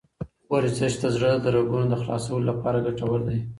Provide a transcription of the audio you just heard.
ورزش د زړه د رګونو د خلاصولو لپاره ګټور دی.